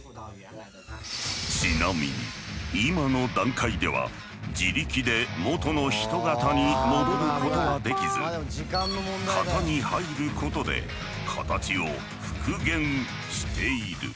ちなみに今の段階では自力で元の人型に戻ることはできず型に入ることで形を復元している。